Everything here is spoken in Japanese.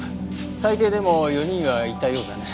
最低でも４人はいたようだね。